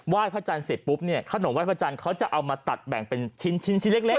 พระจันทร์เสร็จปุ๊บเนี่ยขนมไห้พระจันทร์เขาจะเอามาตัดแบ่งเป็นชิ้นชิ้นเล็กเล็ก